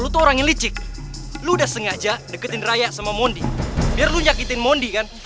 tadi kayak gitu mon